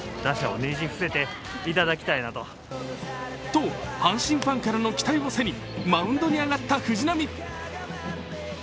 と、阪神ファンからの期待を背にマウンドに上がった藤浪。